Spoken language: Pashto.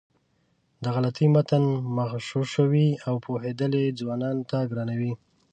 دا غلطۍ متن مغشوشوي او پوهېدل یې ځوانانو ته ګرانوي.